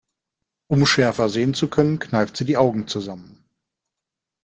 Um schärfer sehen zu können, kneift sie die Augen zusammen.